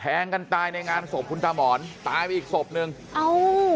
กันตายในงานศพคุณตามอนตายไปอีกศพหนึ่งเอ้า